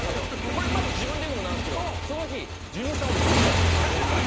これマジ自分で言うのもなんすけどその日ジュニアさん俺食ったんすよ